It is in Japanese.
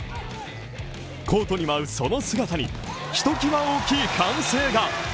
コートに舞うその姿に、ひときわ大きい歓声が。